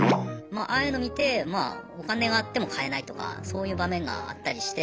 ああいうの見てまあお金があっても買えないとかそういう場面があったりして。